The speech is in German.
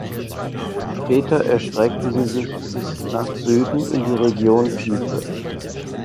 Später erstreckte sie sich bis nach Süden in die Region Fife.